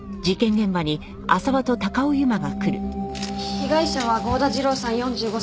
被害者は郷田次郎さん４５歳。